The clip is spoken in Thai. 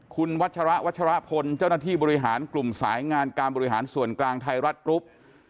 คุณวัชระวัชรพลเจ้าหน้าที่บริหารกลุ่มสายงานการบริหารส่วนกลางไทยรัฐกรุ๊ป